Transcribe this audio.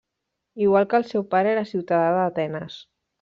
Igual que el seu pare era ciutadà d'Atenes.